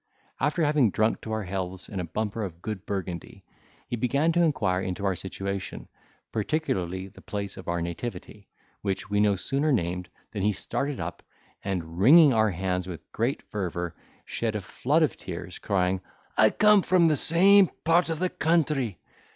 After having drunk to our healths in a bumper of good Burgundy, he began to inquire into our situation, particularly the place of our nativity, which we no sooner named than he started up, and, wringing our hands with great fervour, shed a flood of tears, crying, "I come from the same part of the country!